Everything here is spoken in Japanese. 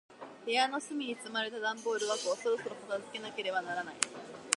部屋の隅に積まれた段ボール箱を、そろそろ片付けなければならない。